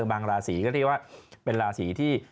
บางลาสีก็เรียกว่าเป็นลาสีที่